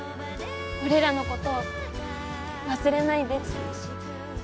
俺らのこと忘れないで。